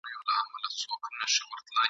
او خپل ملي بیرغ پورته کولای نه سي ..